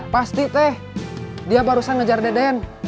pasti teh dia barusan ngejar deden